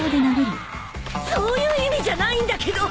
そういう意味じゃないんだけど。